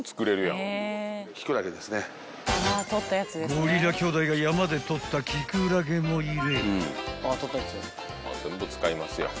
［ゴリラ兄弟が山で採ったキクラゲも入れ］